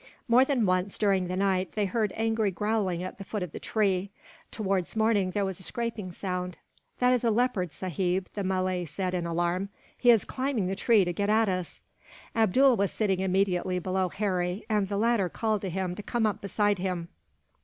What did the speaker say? More than once, during the night, they heard angry growling at the foot of the tree. Towards morning there was a scraping sound. "That is a leopard, sahib," the Malay said, in alarm; "he is climbing the tree to get at us." Abdool was sitting immediately below Harry, and the latter called to him to come up beside him.